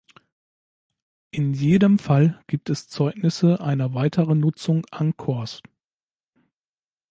In jedem Fall gibt es Zeugnisse einer weiteren Nutzung Angkors.